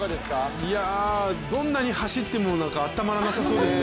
いや、どんなに走っても温まらなさそうですね。